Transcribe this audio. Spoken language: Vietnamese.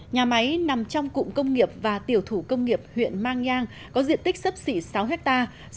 nhà máy nằm trong cụm công nghiệp và tiểu thủ công nghiệp huyện mang nhang có diện tích sấp xỉ sáu hectare